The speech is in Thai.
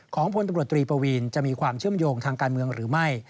พลตำรวจตรีปวีนจะมีความเชื่อมโยงทางการเมืองหรือไม่